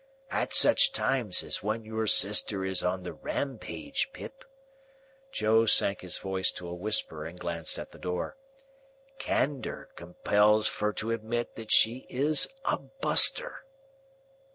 At such times as when your sister is on the Ram page, Pip," Joe sank his voice to a whisper and glanced at the door, "candour compels fur to admit that she is a Buster."